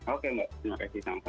oke mbak terima kasih sang pak